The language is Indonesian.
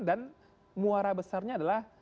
dan muara besarnya adalah